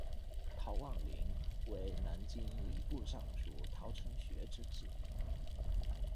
陶望龄为南京礼部尚书陶承学之子。